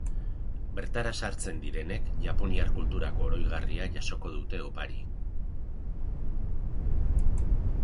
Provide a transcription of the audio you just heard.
Bertara sartzen direnek japoniar kulturako oroigarria jasoko dute opari.